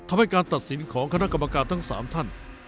ความทำให้การตัดสินของคานากรรมการทั้งสามท่าน